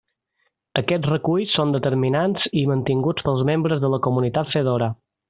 Aquests reculls són determinats i mantinguts pels membres de la Comunitat Fedora.